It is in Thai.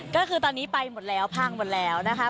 ก็คือตอนนี้ไปหมดแล้วพังหมดแล้วนะคะ